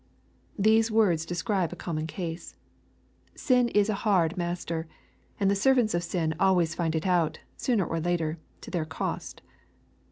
These words describe a common case. Sin is a hard master, and the servants of sin always find it out, sooner or later, to their cost.